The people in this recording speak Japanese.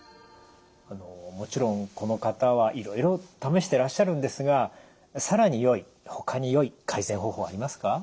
もちろんこの方はいろいろ試してらっしゃるんですが更によいほかによい改善方法はありますか？